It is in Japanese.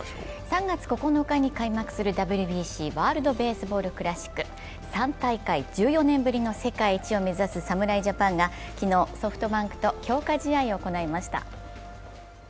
３月９日に開幕するＷＢＣ、ワールドベースボールクラシック３大会、１４年ぶりの世界一を目指す侍ジャパンが昨日、ソフトバンクと強化試合を行いました。